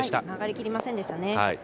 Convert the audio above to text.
曲がりきりませんでしたね。